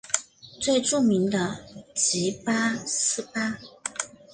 最著名的即八思巴。